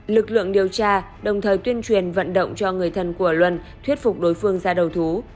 lực lượng điều tra đồng thời tuyên truyền vận động cho người thân của luân thuyết phục đối phương ra đầu thú